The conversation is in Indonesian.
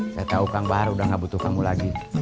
saya tahu kang bahar udah gak butuh kamu lagi